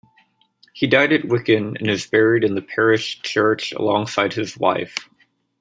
He died at Wicken and is buried in the parish church alongside his wife.